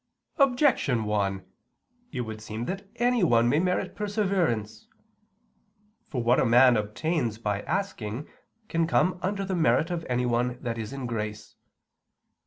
Objection 1: It would seem that anyone may merit perseverance. For what a man obtains by asking, can come under the merit of anyone that is in grace.